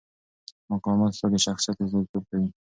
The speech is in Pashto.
مقاومت ستا د شخصیت استازیتوب کوي.